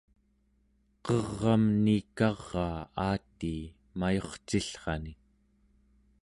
qer'am niikaraa aatii mayurcillrani